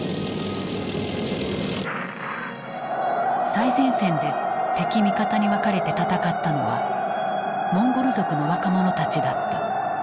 最前線で敵味方に分かれて戦ったのはモンゴル族の若者たちだった。